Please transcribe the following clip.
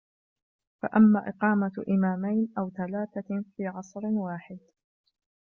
فَأَمَّا إقَامَةُ إمَامَيْنِ أَوْ ثَلَاثَةٍ فِي عَصْرٍ وَاحِدٍ